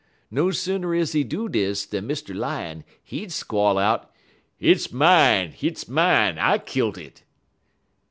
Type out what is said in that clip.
No sooner is he do dis dan Mr. Lion, he'd squall out: "'Hit's mine! hit's mine! I kilt it!'